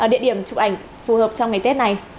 địa điểm chụp ảnh phù hợp trong ngày tết này